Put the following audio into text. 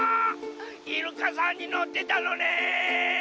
イルカさんにのってたのね！